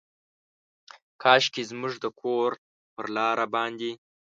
کاشکي زموږ د کور پر لاره باندې،